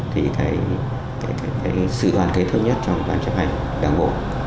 thì cái sự đoàn kế thống nhất trong toàn chấp hành đảng bộ